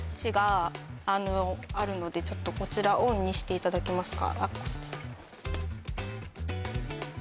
あちょっとこちらオンにしていただけますか？